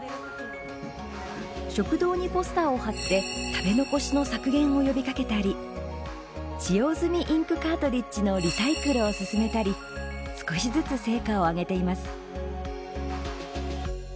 食堂にポスターを貼って食べ残しの削減を呼びかけたり使用済みインクカートリッジのリサイクルを進めたり少しずつ成果を挙げています。